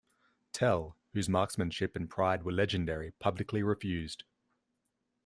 Tell, whose marksmanship and pride were legendary, publicly refused.